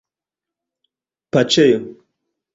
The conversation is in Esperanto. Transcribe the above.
paĉjo